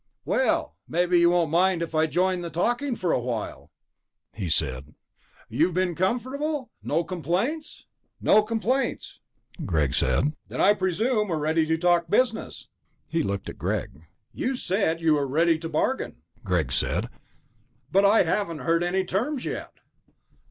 "Well, maybe you won't mind if I join in the talking for a while," he said. "You've been comfortable? No complaints?" "No complaints," Greg said. "Then I presume we're ready to talk business." He looked at Greg. "You said you were ready to bargain," Greg said, "but I haven't heard any terms yet."